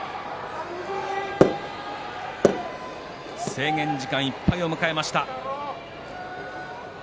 制限時間いっぱいを迎えました。